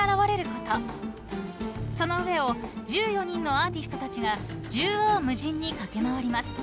［その上を１４人のアーティストたちが縦横無尽に駆け回ります］